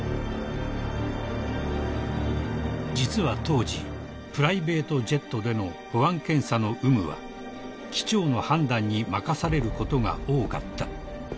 ［実は当時プライベートジェットでの保安検査の有無は機長の判断に任されることが多かった］